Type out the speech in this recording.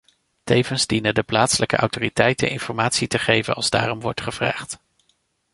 Tevens dienen de plaatselijke autoriteiten informatie te geven als daarom wordt gevraagd.